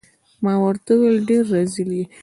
ما ورته وویل: ته ډیر رزیل يې.